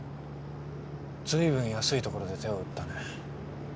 随分安いところで手を打ったね。